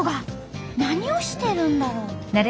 何をしてるんだろう？